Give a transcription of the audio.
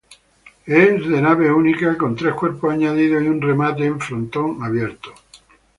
Es de nave única, con tres cuerpos añadidos y un remate en frontón abierto.